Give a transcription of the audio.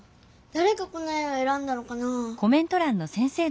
だれがこの絵をえらんだのかな？